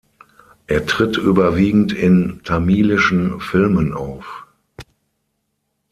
Er tritt überwiegend in tamilischen Filmen auf.